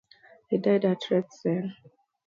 He died at Retzien.